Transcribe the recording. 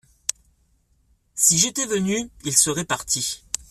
Si j'étais venu, il serait parti.